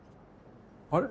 あれ？